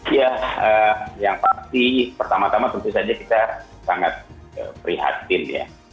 ya yang pasti pertama tama tentu saja kita sangat prihatin ya